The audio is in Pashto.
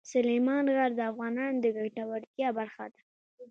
سلیمان غر د افغانانو د ګټورتیا برخه ده.